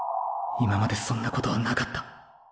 今までそんなことはなかった。